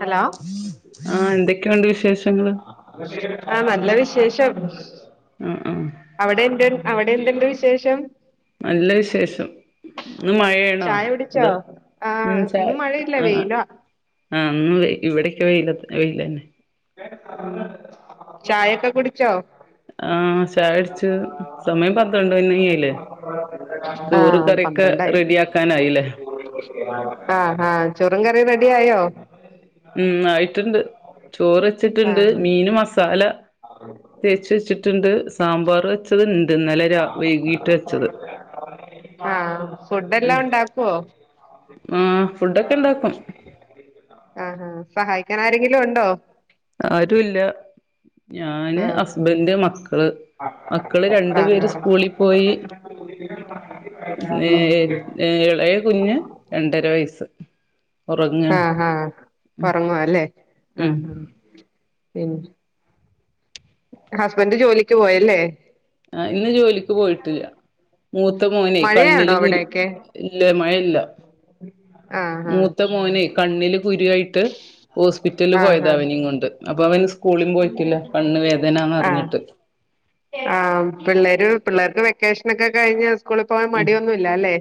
Hello ണ്ട് വിശേഷങ്ങള് ആ നല്ല വിശേഷം ആഹ് ആഹ് അവിടെ എ അവിടെ എന്തണ്ട് വിശേഷം നല്ല വിശേഷം ഇ മഴയാണോ ചായ അത് കുടിച്ചോ ആ ഇന്ന് മഴയില്ല ആ വെയിലാ ആഹ ഇന്ന് ഇവിടെക്കെ വെയില വെയില് അന്നെ ചായേക്ക കുടിച്ചോ ആ ശായുടിച്ചു സമയം പന്ത്രണ്ട് [unintelligible] ആയില്ലേ ആ ചോറ് കറിയൊക്കെ പന്ത്രണ്ടായി റെഡിയ ആക്കാനായില്ലേ ആ ആ ചോറും കറീം റെഡി ആയോ ഉം ആയിട്ടുണ്ട് ചോറ് ആ വച്ചിട്ടുണ്ട് മീന് മസാല [unintelligible] ണ്ട് സാമ്പാർ വെച്ചത്ണ്ട് ഇന്നലെ രാ വൈകിട്ട് വെച്ചത് ആ ഫുഡ് എല്ലാം ഒണ്ടാക്കുവോ ആ ഫുഡൊക്കെ ഇണ്ടാക്കും ആങ്‌ഹാ സഹായിക്കാൻ ആരെങ്കിലും ഉണ്ടോ ആരു ഇല്ല ഞാന് ആ ഹസ്ബന്ഡ് മക്കള് മക്കള് രണ്ടു പേര് ആഹ് സ്കൂളിൽ പോയി ഏ എളേ കുഞ്ഞ് രണ്ടര വയസ്സ് ആ ഉറങ്ങാണ് ഹ ഹ ഉറങ്ങുവ അല്ലേ ആ ഉം ഹ പിന്നെ ഹസ്ബന്റ് ജോലിക്ക് പോയല്ലേ ആ ഇന്ന് ജോലിക്ക് പോയിട്ടില്ല മൂത്ത മോനെ മഴയാണോ കണ്ണില് കുരു അവിടെയൊക്കെ ഇല്ല മഴയില്ല ആഹ് ആഹ് മൂത്ത മോനെ കണ്ണിൽ കുരു ആയിട്ട് ഹോസ്പിറ്റലിൽ ആഹ് പോയതാ അവനേം കൊണ്ട് അപ്പൊ അവന് സ്‌ സ്കൂളും പോയിട്ടില്ല കണ്ണ് വേദനാന്ന് അറിഞ്ഞിട്ട് ആ പിള്ളേര് പിള്ളേർക്ക് വെക്കേഷനക്കെ കഴിഞ്ഞു സ്കൂളിൽ പോകാൻ മടിയൊന്നുമില്ല അല്ലേ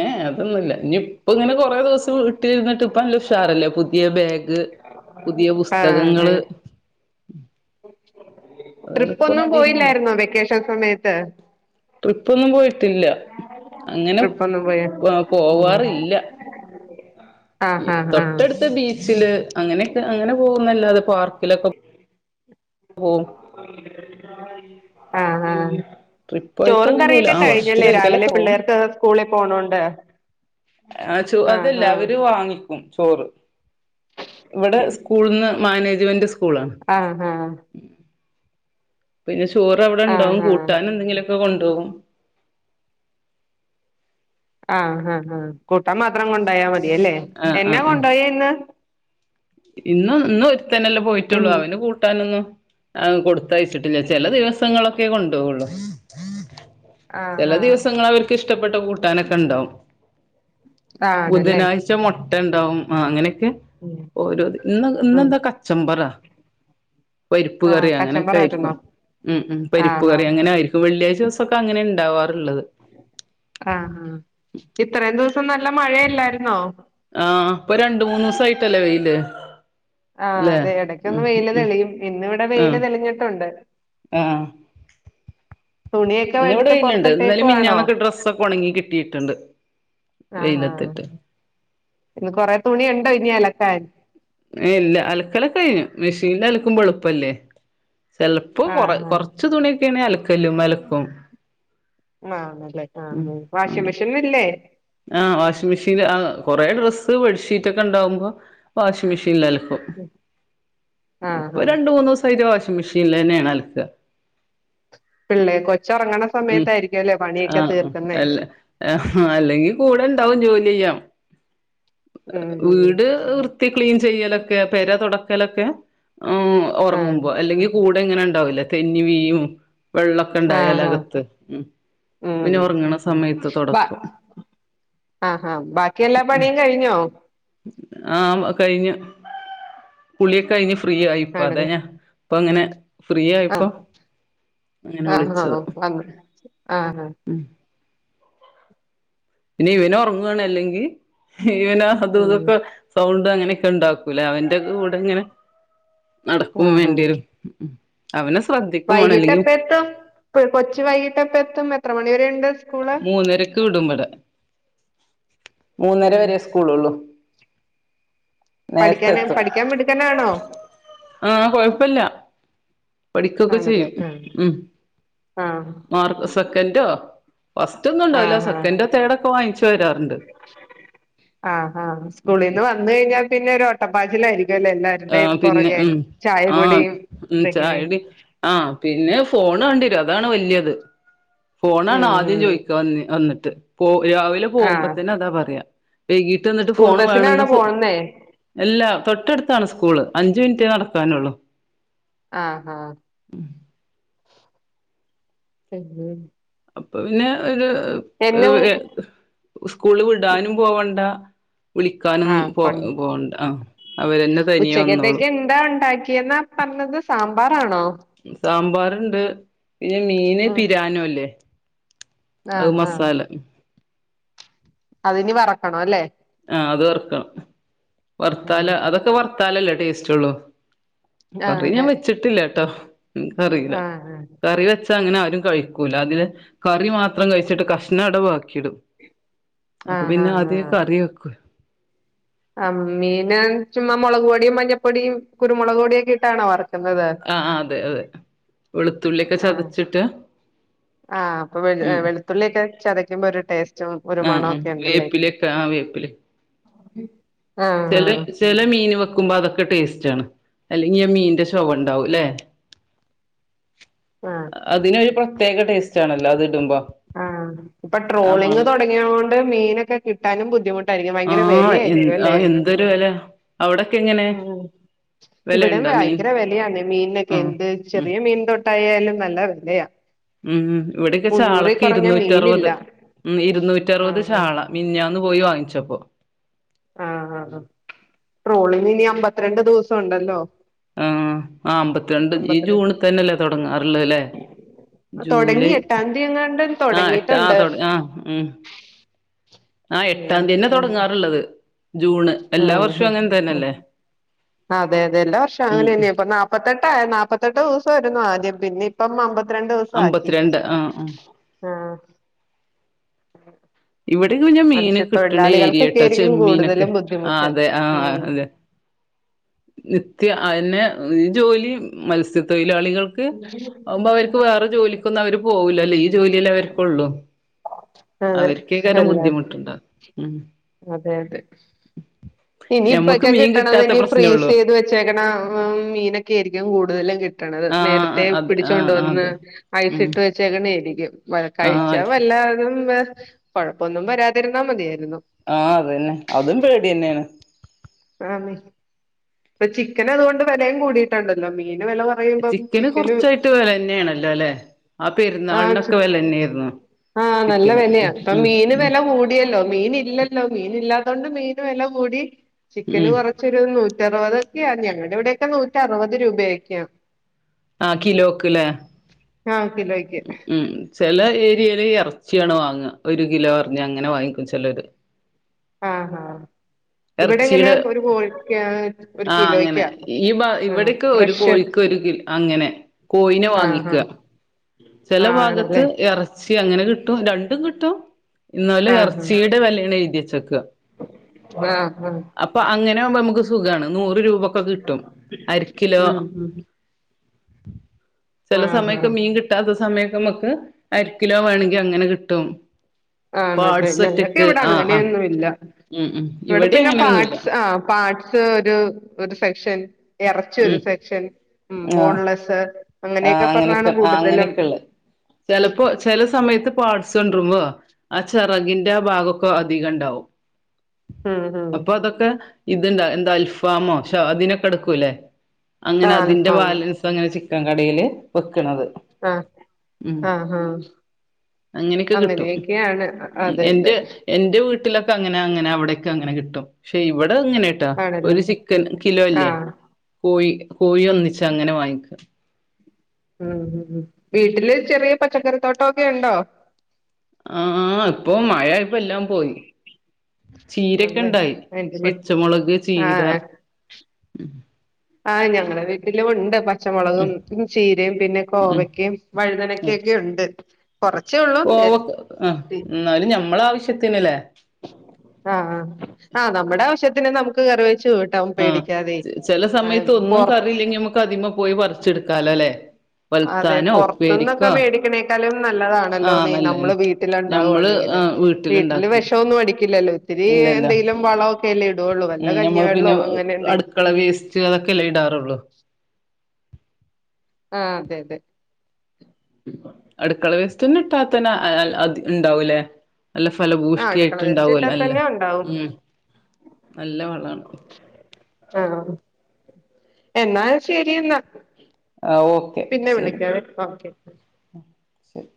ഏ അതൊന്നുമല്ല ഇനി ഇപ്പ ഇങ്ങനെ കൊറെേ ദിവസം ഇട്ടിരുന്നിട്ട് ഇപ്പല്ല ഉഷാറല്ലേ പുതിയ ബാഗ് പുതിയ ആഹ് അതെ പുസ്തകങ്ങള് അതുകൊണ്ട് ട്രിപ്പ് ഇപ്പ ഒന്നും മടിയൊന്നുല്ല പോയില്ലായിരുന്നോ വെക്കേഷൻ സമയത്ത് ട്രിപ്പൊന്നും പോയിട്ടില്ല അങ്ങനെ ട്രിപ്പൊന്നും പോയ ആ ഉം പോവാറില്ല ആഹ് ഇ ആഹ് ആഹ് തൊട്ടടുത്ത ബീച്ചില് അങ്ങനെയൊക്കെ അങ്ങനെ പോകുംന്നല്ലാതെ പാർക്കിലൊക്ക ആഹ് ഹാ ട്രിപ്പായിട്ട് ചോറും അങ്ങനെ പോവൂല കറിയെക്കെ ആ വർഷത്തില് കഴിഞ്ഞല്ലേ രാവിലെ ഒരിക്കലൊക്കെ പോവും പിള്ളേർക്ക് സ്കൂളിൽ പോണോണ്ട് ആ ചോ അതല്ല ആഹ് അവര് വാങ്ങിക്കും ചോറ് ഇവിടെ സ്കൂളിന്ന് മാനേജ്മെന്റ് സ്‌ ആ ആ പിന്നെ ചോറവിടെ ഇണ്ടാവും ആഹ് ആഹ് കൂട്ടാൻ എന്തെങ്കിലും ഇപ്പ കൊണ്ടോകും ആഹ് ഹ ഹ കൂട്ടാൻ മാത്രം കൊണ്ടോയാ മതിയല്ലേ ആഹ് എന്നാ ആഹ് ആഹ് കൊണ്ടോയെ ഇന്ന് ഇന്ന് ഇന്ന് ഒരുത്തനല്ലേ പോയിട്ടുള്ളൂ എന്ത് അവന് കൂട്ടാനൊന്നും ആ കൊടുത്തയച്ചിട്ടില്ല ചെല ദിവസങ്ങളൊക്കെ കൊണ്ടോവൊള്ളു ആഹ് ചെല ആഹ് ദിവസങ്ങൾ അവർക്ക് ഇഷ്ടപ്പെട്ട കൂട്ടാനൊക്കെ ഇണ്ടാവും ആണല്ലേ ബുധനാഴ്ച മൊട്ട ഇണ്ടാവും ആ അങ്ങനെ ഉം ഓരോ ഇന്ന് ഉം ഇന്നെന്താ കച്ചമ്പറാ പരിപ്പ് ആഹ് കറി അങ്ങനെയൊക്കെ ആയിരിക്കും കച്ചമ്പറായിരുന്നോ ഉം ഉം പരിപ്പ് ആഹ് കറി ആഹ് അങ്ങനെ ആയിരിക്കും വെള്ളിയാഴ്ച ദിവസൊക്കെ അങ്ങനെ ഉണ്ടാവാറുള്ളത് ആഹ് ഹാ ഇത്രേം ദിവസം നല്ല മഴയല്ലായിരുന്നോ ആഹ് ഇപ്പൊ രണ്ട്‌ മൂന്ന് ദെ വസായിട്ടല്ലേ വെയില് ആ അല്ലെ അതെ ഉം എടക്കൊന്ന് വെയില് ഉം തെളിയും ഇന്ന് ഇവിടെ വെയില് തെളിഞ്ഞിട്ടുണ്ട് ആഹ് തുണിയൊക്കെ ഇന്ന് ഇവിടെ എടുത്ത് വെയിലുണ്ട് ഇന്നലിം പൊറത്തിട്ടേക്കുവാണോ മിനിഞ്ഞാന്നൊക്കെ ഡ്രസ്സൊക്കെ ഉണങ്ങി കിട്ടിട്ടുണ്ട് ആ ആ ഇന്ന് കൊറെ തുണിയുണ്ടോ ഇനി അലക്കാൻ ഇല്ല അലക്കല്ലൊക്കെ കഴിഞ്ഞു മെഷിൻ അലക്കുമ്പോ എളുപ്പല്ലേ ചിലപ്പോ കൊറ ആഹ് കൊറച്ചു തുണിയൊക്കെയാണെ അലക്കല്ലുമേ അലക്കും മ്മ്ഹ ആണല്ലേ ആ വാഷിങ് മെഷിനല്ലേ ആഹ് വാഷിംഗ് മെഷീൻ കുറെ ഡ്രസ്സ് ബെഡ്ഷീറ്റ് ഒക്കെ ഉണ്ടാവുമ്പോ വാഷിംഗ് മെഷീനിൽ അല ക്കും. ആഹ് ഇപ്പോ ആഹ് രണ്ട് മൂന്ന് ദിവസായിട്ട് വാഷ് മിഷീനിലന്നെയാണ് അലക്കാ പിള്ളേ കൊച്ച് ഒറങ്ണ് സമയത്തായിരിക്കും അല്ലെ ആഹ് അല്ല അല്ലെങ്കിൽ കൂടെ ഇണ്ടാവും ജോലി ചെയ്യാം ഉം ഉം വീട് വൃത്തി ക്ലീൻ ചെയ്യലൊക്കെ പെര തൊടക്കലൊക്കെ ഹ്മ്മ് ആഹ് ഉറങ്ങുമ്പോ അല്ലെങ്കിൽ കൂടെ ഇങ്ങനെ ഉണ്ടാവില്ലേ തെന്നി വീഴും വെള്ള ഒക്കെ ഉണ്ടായാൽ ആഹ് ആഹ് അക ത്ത്. മ്മ് ഉം അപ്പപിന്നെ ഉറങ്ങണ സമയത്ത് ബാ തുടക്കും ആഹ് ഹാ ബാക്കി എല്ലാ പണിയും കഴിഞ്ഞോ ആ കഴിഞ്ഞ് കുളിയൊക്കെ കഴിഞ്ഞ് ഫ്രീ ആയിപ്പോ അത ആണല്ലേ ഞാന് ഇപ്പ അങ്ങനെ ഫ്രീ ആയപ്പോ ആഹ് അങ്ങനെ വിളിച്ചത് ആ ഹ പിന്നെ ഇവന് ഒറങ്ങുവാണ് അല്ലെങ്കിൽ ഇവന് അതും ഉം ഇതൊക്കെ സൗ ണ്ട് അങ്ങനെയൊക്കെ ഉണ്ടാക്കൂലെ അവന്റെ കൂടെ ഇങ്ങനെ നടക്കും ആഹ് ആഹ് വേണ്ടിയേരും അവന് സ് വൈകിട്ട് എപ്പെ എത്തും കൊച്ച് വൈകിട്ട് എപ്പെ എത്തും എത്ര മണി വരെ ഉണ്ട് സ്കൂള് മൂന്നരക്ക് വിടും ഇവടെ മൂന്നര ഉം വരെ സ്കൂൾ ഉള്ളു നേരത്തെ പഠിക്കാന് എത്തും. പഠിക്കാൻ മിടുക്കനാണോ ആ കുഴപ്പല്ല. പഠിക്കൊക്കെ ചെയ്യും ആണല്ലേ ആഹ് ഉം ആഹ് മാർക്ക് സെക്കൻഡോ ഫസ്റ്റ് ഒന്നും ഉണ്ടാവില്ല ആഹ് ആഹ് സെക്കൻഡ് തേർഡോക്കെ വാങ്ങിച്ചു വരാറുണ്ട് ആഹ് ആഹ് സ്കൂളീന്ന് വന്ന് കഴിഞ്ഞാ പിന്നെ ഒരു ഒട്ടപ്പാച്ചിലായിരിക്കും ആഹ് പിന്നെ മ് ആഹ് കുടിയും മ് ഇതൊക്കെ ചായുടി പിന്നെ ഫോൺ ലേ വേണ്ടി വരും അതാണ് വലിയത് ഫോണാണ് ഉം ആദ്യം ഉം ചോദിക്കാ വന്നിട്ട് പോ രാവിലെ ആഹ് പോമ്പോത്തേനും അതാ പറയാ വൈകീട്ട് വന്നിട്ട് സ്കൂൾ ഫോൺ വേണന്ന് ബസ്സിനാണോ [unintelligible] പോവുന്നേ അല്ല തൊട്ടടുത്താണ് സ്കൂള് അഞ്ച മിനിറ്റ് [unintelligible] നടക്കാനുള്ളൂ ആഹ് ആഹ് മ് [unintelligible] [inaudible] അപ്പൊ പിന്നെ ഒരു എന്നും സ്കൂള് വിടാനും പോവണ്ട. വിളിക്കാനൊന്നും ആഹ് പോ കൊ പോണ്ട ആ അവരെന്നെ തനിയെ വന്നോളും ഉച്ചക്കത്തേക്ക് എന്താ ഉണ്ടാക്കിയെന്ന പ [unintelligible] സാമ്പാറാണോ? സാമ്പാറുണ്ട് പിന്നെ മീന് ഉം പിരാനോഅല്ലെ. അത് ആഹ് ആഹ് മസാല അതിനി വറുക്കണം അല്ലേ. ആഹ് അത് വറുക്കണം- ഉം വറുത്തല് അതൊക്കെ വറുത്തല്ലല്ലേ ടേസ്റ്റ് ഉള്ളൂ. ആഹ് കറി ഞാൻ അതെ വെച്ചിട്ടില്ലട്ടാ എനക്ക്റിയില്ല ആഹ് ആഹ് കറി വെച്ച [unintelligible] അങ്ങനെ ആരും കഴിക്കൂല അതില് കറി മാത്രം കഴിച്ചിട്ട് കഷ്ണം അവിടെ ബാക്കി ഇടും. അപ്പൊ ആഹ് പിന്നെ ആദ്യ കറിവെക്കല്. ആ മീന് ചുമ്മാ മുളക് പൊടിയും മഞ്ഞപ്പൊടിയും കുരുമുളക് പൊടിയൊക്കെ ഇട്ടാണോ വറ ആഹ് അതെ അതെ- വെളുത്തുള്ളിയൊക്കെ ആഹ് ചതച്ചിട്ട് ആഹ് അപ്പൊ ഹ് ഉം വെളുത്തുള്ളി ഒക്കെ ചതക്കുമ്പോ ഒരു ടേസ്റ്റ് [unintelligible] ഒരു ആഹ് ആഹ് മണൊക്കെ ഉണ്ടല്ലേ വേപ്പിലൊക്കെ ആഹ് ചില ആഹ് ചില മീന് വെക്കു [unintelligible] അതൊക്കെ ടേസ്റ്റ് ആണ്- അല്ലെങ്കിൽ മീന്റെ ചുവ ഉണ്ടാവും അല്ലേ. ആഹ് -അതിനൊരു പ്രത്യേക ടേസ്റ്റ് ആണല്ലോ അത് ഇടുമ്പോ. ആഹ് ഇപ്പൊ ആ ട്രോളിങ് മണം തുടങ്ങിയോണ്ട് മീനൊക്കെ കിട്ടാനും ബുദ്ധിമുട്ടാ യിരിക്കും ഭയങ്കര ആഹ് എ വിലയായിരിക്കും അല്ലേ ആഹ് എന്തൊരു വെല അവിടൊക്കെ എങ്ങനെ ഉം ഇവിടെ വെലയുണ്ടോ മീൻ ഭയങ്കര വിലയാന്ന് മീനൊക്കെ ആഹ് എന്ത് ഉം ചെറിയ മീൻ തൊട്ടായാലും നല്ല വിലയാ ഉം ഇവിടൊക്കെ ചാള മുന്നൂറിൽ കുറഞ്ഞ ഇരുന്നൂറ്ററുപത് മീനില്ല ഉം ഇരുന്നൂറ്ററുപത് ആഹ് ആഹ് ചാള മിഞ്ഞാന്ന് പോയി വാങ്ങിച്ചപ്പോ ആഹ് ആഹ് ട്രോളിങ്ങിനി അമ്പത്തിരണ്ട് ദിവസൊണ്ടല്ലോ ആഹ് ആഹ് അമ്പത്തിരണ്ട് ഈ ജൂണിതന്നെല്ലേ തുടങ്ങാറുള്ളത് ല്ലേ തൊടങ്ങി ജൂലൈ എട്ടാം തീയതി എങ്ങാണ്ട് ആഹ് എട്ട് ആഹ് തൊടങ്ങിയിട്ടുണ്ട് തൊട ആഹ് ഉം ആഹ് എട്ടാം തീയന്നെ ഉം തുടങ്ങാറുള്ളത് ജൂണ് എല്ലാ ഉം വർഷവും അങ്ങനെ തന്നെല്ലേ അതെ അതെ എല്ലാവർഷം ഉം ഉം അങ്ങനെയെന്നെ ഇപ്പ നാപ്പത്തെട്ട് നാപ്പത്തെട്ട് ദിവസായിരുന്നു ആദ്യം പിന്നെപ്പം അമ്പത് രണ്ട് ദിവസാക്കി അമ്പത്തിരണ്ട് ആ ആ ആഹ് ഇവിടെക്കെ പിഞ്ഞെ മീൻ കിട്ട്ണ ഏര്യാട്ടോ ആയിരിക്കും ചെമ്മീനൊക്കെ കൂടുതലും ആഹ് ബുദ്ധിമുട്ട് അതെ ആഹ് ഉം അതെ നിത്യം അയെന്നെ ഈ ജോലി മത്സ്യത്തൊ ഴിലാളികൾക്ക് ആകുമ്പ അവര്ക്ക് വേറെ ജോലിക്കൊന്നും അവര് പോകൂലല്ലേ ഈ ജോലിയല്ലേ അവര്ക്കുള്ളു അതെ എല്ലാത്തിനും ഉം അതെ അതെ ഇനി ഞമ്മക്ക് ഇപ്പൊക്കെ മീൻ കിട്ടണ കിട്ടാത്ത തിനിപ്പോ ഫ്രീസ് പ്രശ്നള്ളു ചെയ്ത് വെച്ചേക്കണ മീനൊക്കെയായിരിക്കും കൂടുതലും കി കിട്ടണത് നേരത്തെ ആഹ് അതെ പിടിച്ചൊണ്ട് ആഹ് ആഹ് വന്ന് അതെ ഉം ഐസിട്ട് വെച്ചേക്കണേരിക്കും വ ആഹ് കഴിച്ചാ വല്ലതും കൊഴപ്പൊന്നും വരാതിരുന്നാ മതിയാരുന്നു ആഹ് അതന്നെ അതും പേടിയെന്നെണ് ആന്നെ ഇപ്പോ ചിക്കനതുകൊണ്ട് വേലേം കൂടിട്ടോണ്ടല്ലോ മീൻ ചിക്കന് കൊറച്ചായിട്ട് വേലയെന്നെയാണല്ലോ ലെ ആ ആഹ് ചി പെരുന്നാളിനൊക്കെ വെലയെന്നെയാരുന്നു ആഹ് നല്ല വെലയാ ഇപ്പ മീന് വെല കൂടിയല്ലോ മീനില്ലല്ലോ മീനില്ലാ ത്തൊണ്ട് മീന് വെലകൂടി ചിക്കന് ഉം കൊറച്ചൊരു നൂറ്ററുപത് ക്കെയാ ഞങ്ങടെവിടെക്കെ നൂറ്ററുപത് രൂപയൊക്കെയാ. ആഹ് കിലോക്ക്ലെ ആഹ് കിലോയ്ക്ക് ഉം ചെല ഏരിയേല് എറ ച്ചിയാണ് വാങ്ങ ഒരു കിലോ പറഞ്ഞ് അങ്ങനെ വാങ്ങിക്കും ചെലോര് ആഹ് ആഹ് ഇവിടെ ഇങ്ങനെ എറച്ചീടെ ഒരു കോഴിക്കാ ഒരു ആഹ് അങ്ങനെ കിലോയ്ക്കാ ഈ ഭാ ആഹ് ഇവിടെക്കെ ഒരു ഫ്രഷ് കോഴിക്ക് ഒരു കില് അങ്ങനെ കോയിനെ ആഹ് വാങ്ങിക്കാ ആഹ് ചെല ഭാഗത്ത് ആണല്ലേ എറച്ചി അങ്ങനെ കിട്ടും രണ്ടും കിട്ടും ഇന്നോല് ആഹ് എറച്ചിടെ വെല്യാണ് എഴുതി ക്കാ ആഹ് ആഹ് ആഹ് അപ്പോ അങ്ങനാവുമ്പൊ നമുക്ക് സുഖാണ് നൂറ് രൂപ ക്കോ കിട്ടും അരക്കിലോ ഉം ഉം ചെല ആഹ് സമയൊക്കെ ആഹ് മീൻ കിട്ടാത്ത സമയൊക്കെ നമ്മക്ക് അരക്കിലോ വേണെങ്കി അങ്ങനെ കിട്ടും ആണല്ലേ പാട്സ് ഒറ്റക്ക് ഞങ്ങക്കിവിടെ ആഹ് ആഹ് അങ്ങനെയൊന്നുവില്ലാ ഉം ഉം ഇവിടെ പിന്നെ അങ്ങനെയൊന്നുമില്ല പാഡ്സ് ആഹ് പാഡ്സ് ഒരു ഒരു സെക്ഷൻ എറച്ചിയൊരു ഉം സെക്ഷൻ ഉം ആഹ് ബോൺലെസ്സ് ആഹ് അങ്ങനെയൊക്കെ പറഞ്ഞാണ് അങ്ങനൊക്കെ ആഹ് കൂടുതലും അങ്ങനെക്കെള്ളേ ചെലപ്പോ ചെല സമയത്ത് പാട്സ് കൊണ്ടരുമ്പോ ആ ചെറകിന്റെ ആ ഭാഗൊക്കെ അധികണ്ടാവും ഉം ഉം അപ്പൊ അതൊക്കെ ഇത്ണ്ടാ എന്താ അൽഫാമോ അതിനൊക്കെ എടുക്കുംലേ അങ്ങനെ ആഹ് അതിന്റെ അൽഫാമ് ബാലൻസ് അങ്ങനെ ചിക്ക ൻ കടയില് വെക്കുന്നത് ആഹ് ഉം ആഹ് ആഹ് അങ്ങനെയൊക്കെ കിട്ടും അങ്ങനെയൊക്കെയാണ് അതെ അതെ എന്റെ എന്റെ വീട്ടിലൊക്കങ്ങനെ അങ്ങനെ അവിടൊക്കങ്ങനെ കിട്ടും പക്ഷെ ഇവിടെ അതങ്ങനെ കിട്ടോ ആണല്ലേ ഒരു ചിക്കൻ കിലോ അല്ലേ ആഹ് കോഴി കോഴി ഒന്നിച്ചങ്ങനെ വാങ്ങിക്ക ഉം ഹ വീട്ടില് ചെറിയ പച്ചക്കറിത്തോട്ടൊക്കെ ഉണ്ടോ ആഹ ഇപ്പൊ മഴ ഇപ്പ എല്ലാം പോയി ചീരൊക്കെ ആണല്ലേ ഉണ്ടായി എന്റെ വീട്ടിൽ പച്ചമുളക് ചീര ആഹ് ആഹ് ഞങ്ങള് വീട്ടിലും ഉണ്ട് പക്ഷെ ഉം പച്ചമുളകും ചീരയും പിന്നെ ഉം കോവക്കയും ആ വഴുതനക്കൊക്കെ ഉണ്ട് കുറച്ച ഉള്ളൂ ആ ആഹ് എന്നാലും ഞമ്മളെ ആവശ്യത്തിനല്ലേ ആഹ് ആ് ആഹ് നമ്മുടെ ആവശ്യത്തിന് നമുക്ക് കറിവ ആഹ ചെല സമയത്ത് ഒന്നും പൊറ കറിയില്ലെങ്കി നമ്മുക്ക് അതിമ പോയി പറി ച്ചെടുക്കാലോല്ലേ അതെ പുറത്തുന്നൊക്കെ മേടിക്കണേക്കാലും നല്ലതാണല്ലോ ആഹ് നീ നല്ലതന്നെ നമ്മള് വീട്ടില ഞമ്മള് ഉണ്ടാവുവാണെങ്കിൽ ആഹ് വീട്ടില് വീട്ടിലുണ്ടാക്കുന്ന വിഷംൊന്നും അടിക്കില്ലല്ലോ ഒത്തിരി ഇല്ലല്ല എന്തെങ്കലും വളക്കെല്ല ള്ളു വല്ല ഉം കഞ്ഞി ഞമ്മള് വെള്ളോ പിന്നെ അങ്ങനെ എന്തെങ്കും അടുക്കള വേസ്റ്റ് അതൊക്കെല്ലേ ഇടാറുള്ളൂ ആഹ അതെ അതെ അടുക്കള വേസ്റ്റ്ന്ന ഇട്ടാത്തനെ അത് ഉണ്ടാവൂലേ നല്ല ആഹ് ഫലഭൂഷ്ടി അടുക്കള വേസ്റ്റ് ഇട്ടാ ആായിട്ട്ണ്ടാവല്ല അല്ലേ തന്നെ ഉണ്ടാവും ഉം നല്ല വളമാണ് ആഹ എന്നാൽ ശരി എന്നാ ആഹ ഓക്കെ പിന്നെ ശരി വിളിക്കാവേ ഓക്കെ ശരി